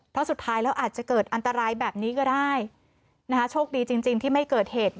เพราะสุดท้ายแล้วอาจจะเกิดอันตรายแบบนี้ก็ได้นะคะโชคดีจริงที่ไม่เกิดเหตุ